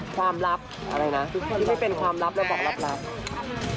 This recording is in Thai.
ความลับอะไรนะทุกคนที่ไม่เป็นความลับแล้วบอกลับ